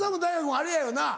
あれやよな